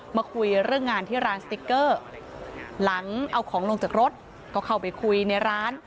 มาคุยเรื่องงานที่ร้านสติ๊กเกอร์หลังเอาของลงจากรถก็เข้าไปคุยในร้าน